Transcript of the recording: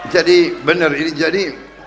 jadi bener ini jadi